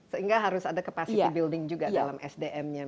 sehingga harus ada capacity building juga dalam sdm nya